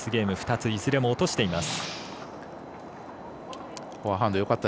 ついずれも落としています。